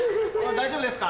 大丈夫ですか？